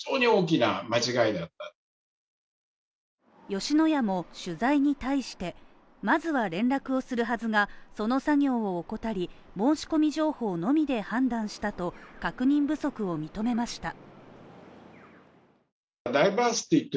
吉野家も取材に対して、まずは連絡をするはずがその作業を怠り、申し込み情報のみで判断したと確認不足を認めました。